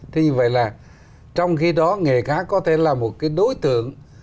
thì như vậy là trong khi đó nghề cá có thể là một cái đối tượng